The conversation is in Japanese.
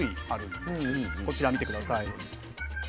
こちら見て下さい。